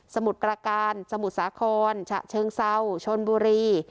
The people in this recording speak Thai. มุดประการสมุทรสาครฉะเชิงเศร้าชนบุรี